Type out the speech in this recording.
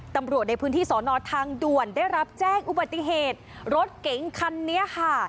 ตำรวจในพื้นที่สอนอทางด่วนได้รับแจ้งอุบัติเหตุรถเก๋งคันนี้ค่ะ